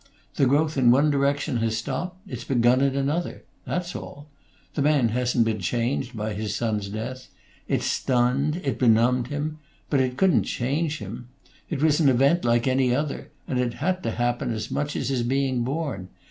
The growth in one direction has stopped; it's begun in another; that's all. The man hasn't been changed by his son's death; it stunned, it benumbed him; but it couldn't change him. It was an event, like any other, and it had to happen as much as his being born.